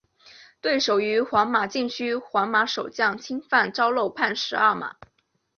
对手于皇马禁区皇马守将侵犯遭漏判十二码。